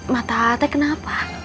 mata atek kenapa